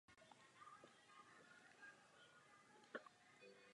Dobrý den, je to odúčtované z mé mzdy.